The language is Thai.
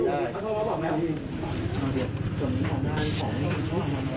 หลังจากที่สุดยอดเย็นหลังจากที่สุดยอดเย็น